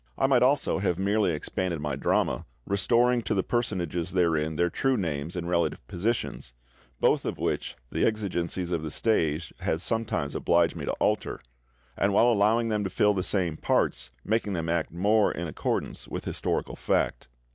I might also have merely expanded my drama, restoring to the personages therein their true names and relative positions, both of which the exigencies of the stage had sometimes obliged me to alter, and while allowing them to fill the same parts, making them act more in accordance with historical fact.